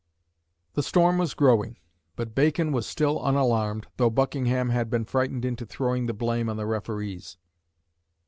The storm was growing; but Bacon was still unalarmed, though Buckingham had been frightened into throwing the blame on the referees.